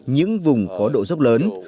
những vùng có độ dốc lớn